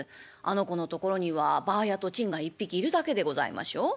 あの子のところにはばあやと狆が１匹いるだけでございましょう？